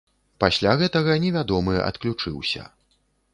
Пасля гэтага невядомы адключыўся.